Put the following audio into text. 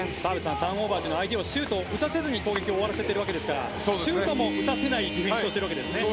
ターンオーバーというのは相手にシュートを打たせずに攻撃を終わらせているわけですからシュートも打たせないディフェンスをしているわけですね。